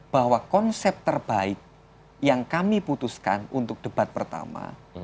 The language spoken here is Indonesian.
bahwa konsep terbaik yang kami putuskan untuk debat pertama